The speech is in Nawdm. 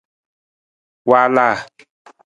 Waalaa.